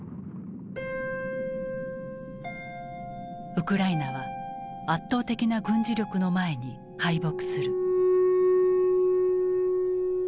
ウクライナは圧倒的な軍事力の前に敗北する。